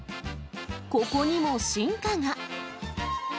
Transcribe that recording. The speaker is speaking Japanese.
ここにも進化が。